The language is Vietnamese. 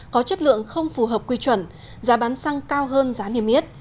có chất lượng không phù hợp quy chuẩn giá bán xăng cao hơn giá niềm yết